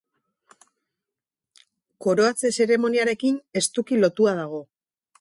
Koroatze zeremoniarekin estuki lotua dago.